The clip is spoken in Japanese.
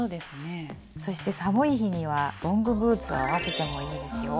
そして寒い日にはロングブーツを合わせてもいいですよ。